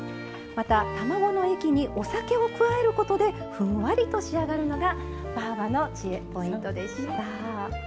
また卵の液にお酒を加えることでふんわりと仕上がるのがばぁばの知恵ポイントでした。